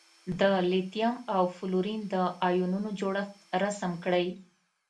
د لیتیم او فلورین د ایونونو جوړښت رسم کړئ.